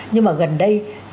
nhưng mà gần đây